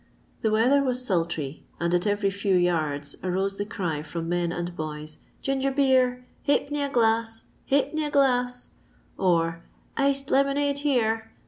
The weather was sultry, and at every few yards arose the cry from men and boys, " (iinger beer, ha'penny a glass ! Ha'penny a glass," or Iced lemonade here